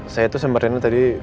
saya tuh sama rina tadi